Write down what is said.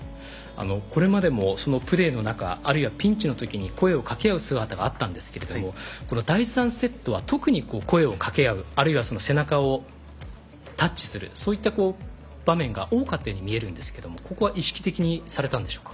これまでもプレーの中あるいはピンチのときに声をかけ合う姿があったんですけれどもこの第３セットは特に声をかけ合うあるいは背中をタッチするそういった場面が多かったように見えるんですけれどもここは意識的にされたんでしょうか。